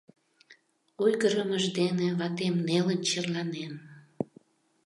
Ойгырымыж дене ватем нелын черланен.